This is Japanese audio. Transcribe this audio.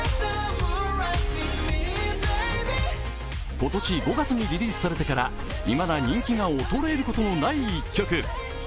今年５月にリリースされてから、いまだ人気が衰えることがない一曲。